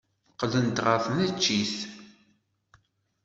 Qqlent ɣer tneččit.